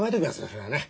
それはね。